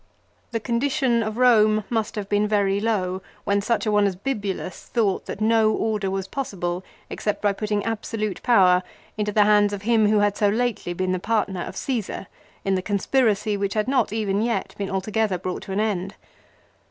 1 The condition of Eome must have been very low when such a one as Bibulus thought that no order was possible except by putting absolute power into the hands of him who had so lately been the partner of Csesar in the conspiracy which had not even yet been alto gether brought to an end.